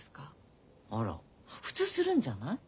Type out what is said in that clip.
あら普通するんじゃない？